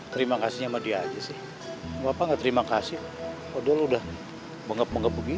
terima kasih sama dia aja sih bapak enggak terima kasih udah udah mungkep mungkep begini